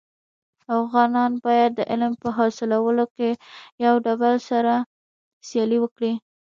افغانان باید د علم په حاصلولو کي يو دبل سره سیالي وکړي.